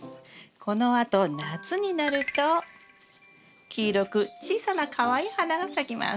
このあと夏になると黄色く小さなかわいい花が咲きます。